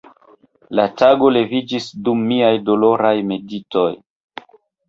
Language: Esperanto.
La tago leviĝis dum miaj doloraj meditoj.